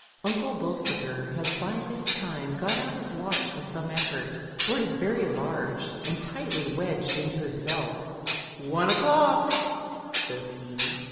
Unde Bolsover has by this time got out his watch with some effort, for it is very large, and tightly wedged into his belt "One o'clock!" says he.